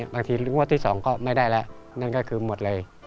บางทีนึกว่าที่๒ก็ไม่ได้แล้วนั่นก็คือหมดเลย